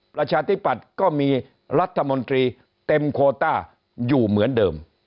ประชาธิปัตย์ก็มีรัฐมนตรีเต็มโคต้าอยู่เหมือนเดิม